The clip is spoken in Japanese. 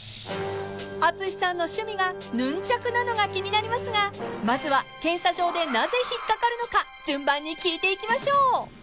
［淳さんの趣味がヌンチャクなのが気になりますがまずは検査場でなぜ引っかかるのか順番に聞いていきましょう］